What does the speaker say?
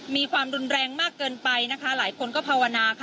มีความรุนแรงมากเกินไปนะคะหลายคนก็ภาวนาค่ะ